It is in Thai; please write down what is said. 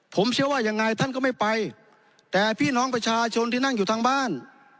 ผมเชื่อว่ายังไงท่านก็ไม่ไปแต่พี่น้องประชาชนที่นั่งอยู่ทางบ้าน